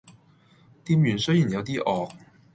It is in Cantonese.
店員雖然有啲惡